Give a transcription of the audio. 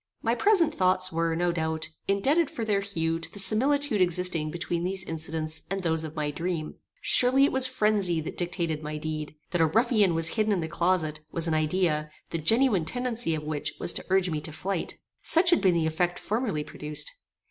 My present thoughts were, no doubt, indebted for their hue to the similitude existing between these incidents and those of my dream. Surely it was phrenzy that dictated my deed. That a ruffian was hidden in the closet, was an idea, the genuine tendency of which was to urge me to flight. Such had been the effect formerly produced.